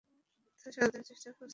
তারা সমাধানের চেষ্টা করছে।